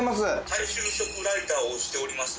大衆食ライターをしております